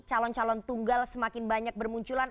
calon calon tunggal semakin banyak bermunculan